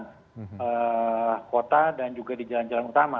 di kota dan juga di jalan jalan utama